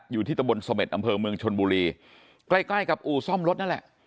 อยู่ที่ตะบนเสม็ดอำเภอเมืองชนบุรีใกล้ใกล้กับอู่ซ่อมรถนั่นแหละ